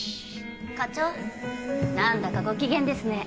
課長何だかご機嫌ですね。